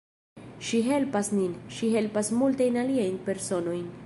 Ŝi helpas nin, ŝi helpas multajn aliajn personojn.